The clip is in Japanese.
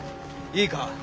いいか？